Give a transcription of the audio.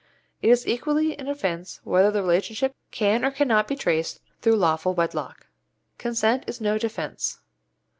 It is equally an offence whether the relationship can or cannot be traced through lawful wedlock. Consent is no defence.